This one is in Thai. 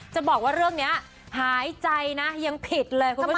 จะบอกว่าเรื่องนี้หายใจนะยังผิดเลยคุณผู้ชม